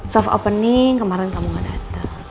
soft opening kemarin kamu gak datang